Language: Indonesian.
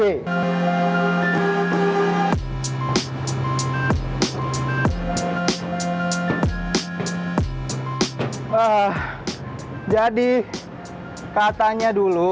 ini di sini